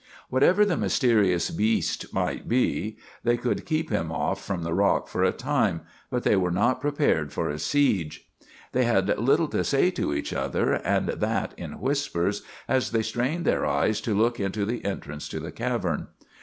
Whatever the mysterious beast might be, they could keep him off from the rock for a time, but they were not prepared for a siege. They had little to say to each other, and that in whispers as they strained their eyes to look into the entrance to the cavern.